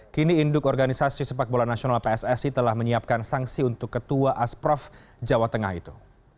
kini induk organisasi sepak bola nasional pssi telah menyiapkan sanksi untuk ketua asprof jawa tengah itu